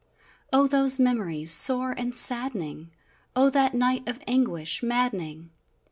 O, those memories, sore and saddening! O, that night of anguish maddening!